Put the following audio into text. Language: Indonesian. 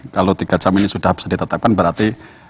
kalau tiga jam ini sudah bisa ditetapkan berarti